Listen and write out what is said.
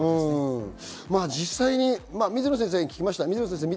実際に水野先生に聞きました。